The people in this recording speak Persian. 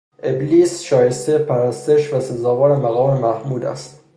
ابلیس شایستهٔ پرستش و سزاوار مقام محمود هست